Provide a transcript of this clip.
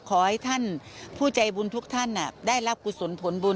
ขอให้ท่านผู้ใจบุญทุกท่านได้รับกุศลผลบุญ